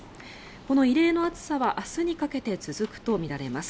この異例の暑さは明日にかけて続くとみられます。